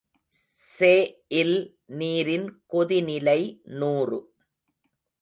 செஇல் நீரின் கொதிநிலை நூறு.